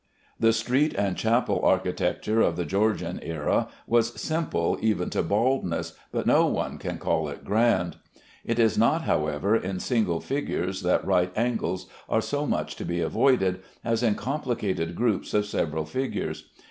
The street and chapel architecture of the Georgian era was simple even to baldness, but no one can call it grand. It is not, however, in single figures that right angles are so much to be avoided, as in complicated groups of several figures.